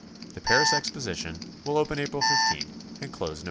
The Paris Exposition will open April 15 and close Nov.